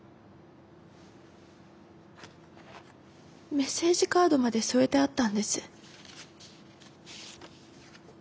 メッセージカードまで添えてあったんです。